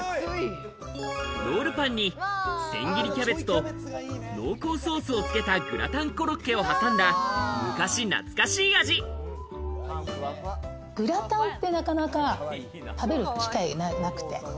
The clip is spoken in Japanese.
ロールパンに千切りキャベツと濃厚ソースをつけたグラタンコロッケを挟んだグラタンってなかなか食べる機会がなくて。